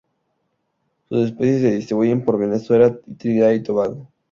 Sus especies se distribuyen por Venezuela y Trinidad y Tobago.